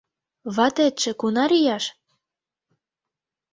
— Ватетше кунар ияш?